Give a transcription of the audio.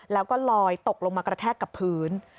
แล้วก็ลอยตกลงมากระแทกกับพื้น